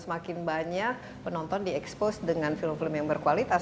semakin banyak penonton di expose dengan film film yang berkualitas